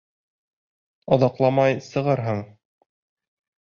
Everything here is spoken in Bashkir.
Оҙаҡламай сығырһың.